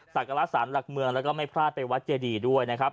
ศักราชสารหลักเมืองแล้วก็ไม่พลาดไปวัดเจดีด้วยนะครับ